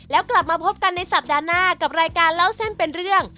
แล้วกลับมาพบกันในสัปดาห์หน้ากับรายการเล่าเส้นเป็นเรื่อง